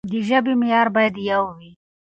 د ژبې معيار بايد يو وي.